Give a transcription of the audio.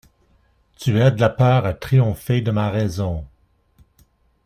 Tu aides la peur à triompher de ma raison!